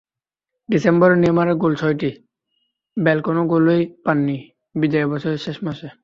ডিসেম্বরে নেইমারের গোল ছয়টি, বেল কোনো গোলই পাননি বিদায়ী বছরের শেষ মাসে।